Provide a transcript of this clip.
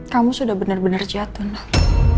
kamu sudah benar benar jatuh lah